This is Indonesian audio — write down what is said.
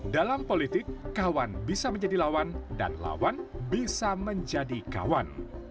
dalam politik kawan bisa menjadi lawan dan lawan bisa menjadi kawan